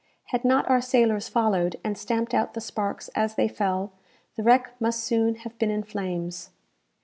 Had not our sailors followed, and stamped out the sparks as they fell, the wreck must soon have been in flames.